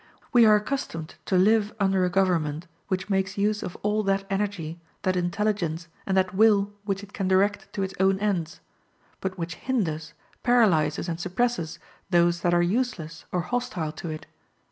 We are accustomed to live under a government, which makes use of all that energy, that intelligence, and that will which it can direct to its own ends; but which hinders, paralyzes and suppresses those that are useless or hostile to it.